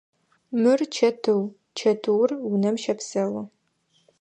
Мыр чэтыу, чэтыур унэм щэпсэу.